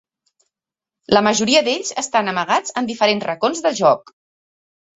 La majoria d'ells estan amagats en diferents racons del joc.